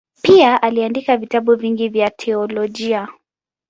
Pia aliandika vitabu vingi vya teolojia.